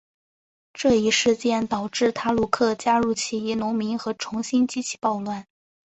这一事件导致塔鲁克加入起义农民和重新激起暴乱。